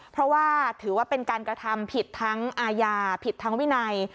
เพราะว่าถือว่าเป็นการกระทำผิดทั้งอาญาผิดทั้งวินัย